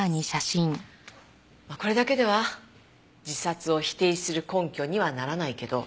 まあこれだけでは自殺を否定する根拠にはならないけど。